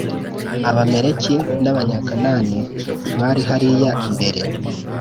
Abamaleki n Abanyakanani bari hariya imbere